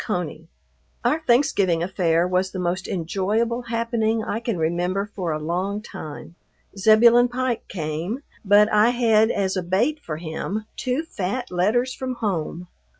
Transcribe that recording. CONEY, Our Thanksgiving affair was the most enjoyable happening I can remember for a long time. Zebulon Pike came, but I had as a bait for him two fat letters from home.